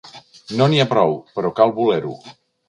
No n'hi ha prou, però cal voler-ho.